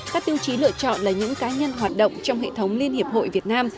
các tiêu chí lựa chọn là những cá nhân hoạt động trong hệ thống liên hiệp hội việt nam